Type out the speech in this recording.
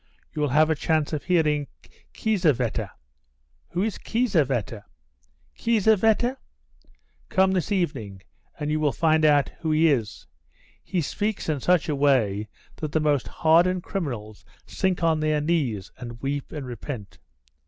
You'll have a chance of hearing Kiesewetter." "Who is Kiesewetter?" "Kiesewetter? Come this evening, and you will find out who he is. He speaks in such a way that the most hardened criminals sink on their knees and weep and repent."